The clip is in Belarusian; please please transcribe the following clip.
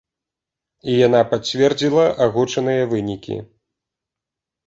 І яна пацвердзіла агучаныя вынікі.